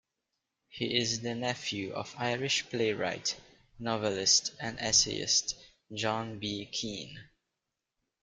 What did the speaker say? He is the nephew of Irish playwright, novelist and essayist John B. Keane.